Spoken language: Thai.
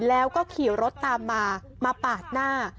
แล้วก็ขี่รถตามมามาปาดหน้า